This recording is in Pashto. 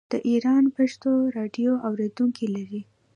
د ایران پښتو راډیو اوریدونکي لري.